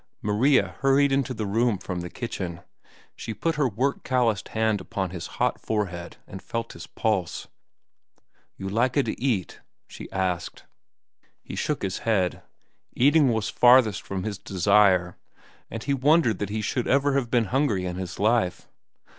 Maria hurried into the room from the kitchen. She put her work calloused hand upon his hot forehead and felt his pulse. "You lika da eat?" she asked. He shook his head. Eating was farthest from his desire, and he wondered that he should ever have been hungry in his life.